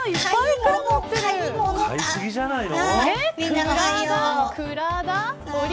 買いすぎじゃないの。